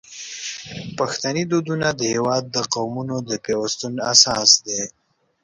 پښتني دودونه د هیواد د قومونو د پیوستون اساس دی.